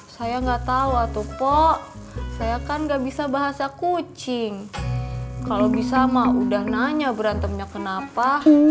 saya nggak tahu tuh pok saya kan nggak bisa bahasa kucing kalau bisa mah udah nanya berantemnya kenapa